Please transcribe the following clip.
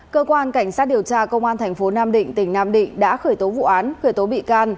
cơ quan cảnh sát điều tra công an thành phố nam định tỉnh nam định đã khởi tố vụ án khởi tố bị can